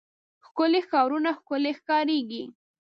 ښکلي ښارونه ښکلي ښکاريږي.